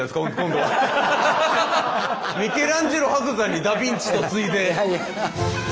ミケランジェロ伯山にダ・ビンチと次いで。